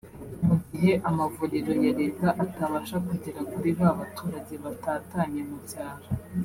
mu gihe amavuriro ya leta atabasha kugera kuri ba baturage batatanye mu byaro